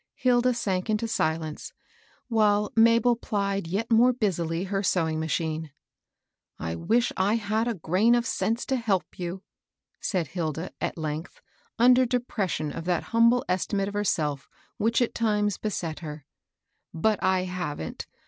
Hilda sank into silence, while Mabel plied yet more busily her sewing machine. " I wish I had a grain of sense to help you !" said Hilda, at length, under depression of that humble estimate of herself which at times beset her; "but I haven't.